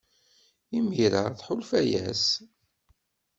Imir-a, ttḥulfuɣ-as.